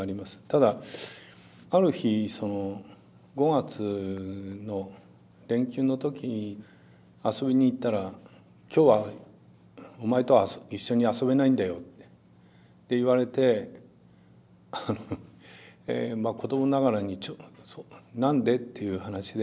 ただある日その５月の連休の時遊びに行ったら「今日はお前とは一緒に遊べないんだよ」って言われて子どもながらになんで？っていう話で。